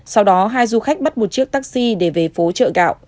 sau đó hai du khách bắt một chiếc taxi để về phố chợ gạo